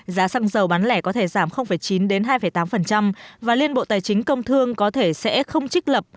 giá xăng dầu bán lẻ có thể giảm chín hai tám và liên bộ tài chính công thương có thể sẽ không trích lập